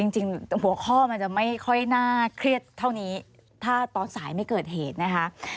จริงหัวข้อมันจะไม่ค่อยน่าเครียดเท่านี้ถ้าตอนสายไม่เกิดเหตุนะคะ